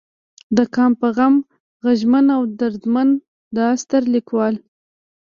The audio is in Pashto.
د قام پۀ غم غمژن او درمند دا ستر ليکوال